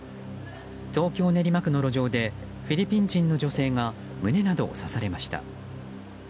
東京・練馬区の路上でフィリピン人の女性が胸などを刺されました。